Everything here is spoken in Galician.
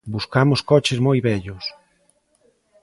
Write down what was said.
Buscamos coches moi vellos.